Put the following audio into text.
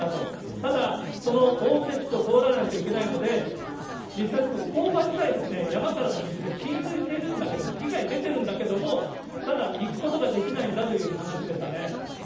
ただ、そのおおぶね地区を通らないといけないので、実際、工場自体、山からの水で浸水しているんだけど、被害出てるんだけれども、ただ行くことができないんだという話でしたね。